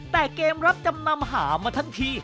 แต่เกมรับจำนำหามาทันที